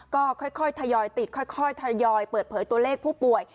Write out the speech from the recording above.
ก็ค่อยทยอยติดค่อยทยอยเปิดเผยตัวเลขผู้ป่วย